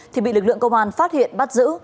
thì bị lực lượng công an phát hiện bắt giữ